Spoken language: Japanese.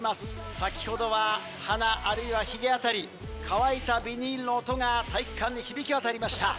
先ほどは鼻あるいはヒゲ辺り乾いたビニールの音が体育館に響き渡りました。